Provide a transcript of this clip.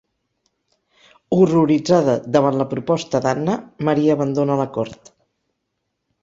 Horroritzada davant la proposta d'Anna, Maria abandona la cort.